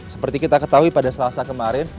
seperti kita ketahui pada selasa kemarin